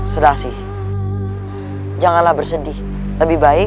seorang anak kecil